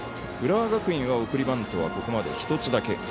浦和学院は送りバントはここまで１つだけ。